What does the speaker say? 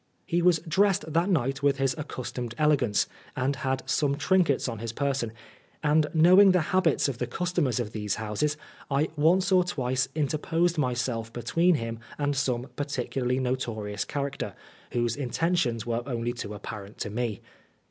He was dressed that night with his accustomed elegance, and had some trinkets on his person ; and knowing the habits of the customers of these houses, I once or twice interposed myself between him and some particularly notorious character, whose inten tions were only too apparent to me.